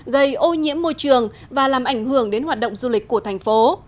gây ô nhiễm môi trường và làm ảnh hưởng đến hoạt động du lịch của thành phố